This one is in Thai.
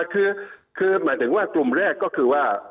คือหมายถึงว่ากลุ่มแรกก็คือว่า